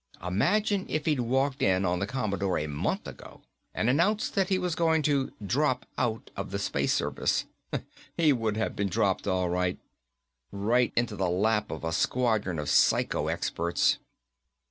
Imagine if he'd walked in on the Commodore a month ago and announced that he was going to drop out of the Space Service. He would have been dropped all right, all right. Right into the lap of a squadron of psycho experts.